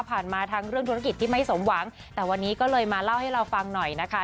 มาทั้งเรื่องธุรกิจที่ไม่สมหวังแต่วันนี้ก็เลยมาเล่าให้เราฟังหน่อยนะคะ